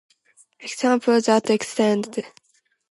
Examples that extend these themes are common in functional analysis.